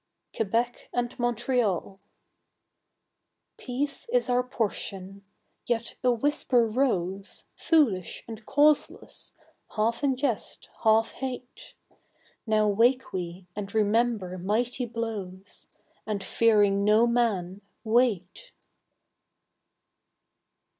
Quebec and Montreal. Peace is our portion. Yet a whisper rose, Foolish and causeless, half in jest, half hate. Now wake we and remember mighty blows, And, fearing no man, wait!